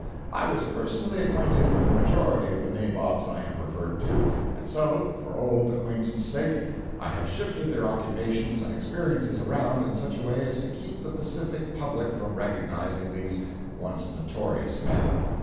I was personally acquainted with the majority of the nabobs I have referred to, and so, for old acquaintance sake, I have shifted their occupations and experiences around in such a way as to keep the Pacific public from recognizing these once notorious men.